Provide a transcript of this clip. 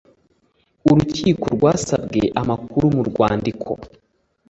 urukiko rwasabwe amakuru mu rwandiko